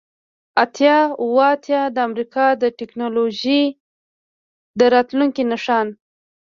اتیا اوه اتیا د امریکا د ټیکنالوژۍ د راتلونکي نښان